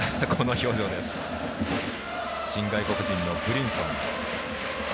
新外国人のブリンソン。